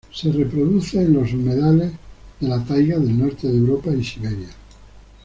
Se reproduce en los humedales de la taiga del norte de Europa y Siberia.